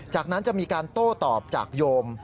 จากนั้นจะมีการโต้ตอบจากโยม